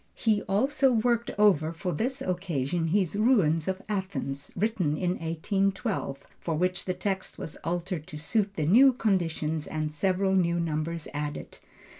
He also worked over for this occasion his Ruins of Athens, written in 1812, for which the text was altered to suit the new conditions and several new numbers added.